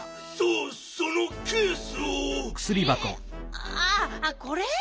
ああこれ？